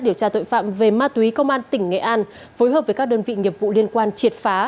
điều tra tội phạm về ma túy công an tỉnh nghệ an phối hợp với các đơn vị nghiệp vụ liên quan triệt phá